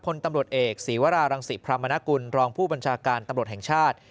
พลตำรวจเอกศีวรารังศิพรามนกุลรองผู้บัญชาการตำรวจแห่งชาติ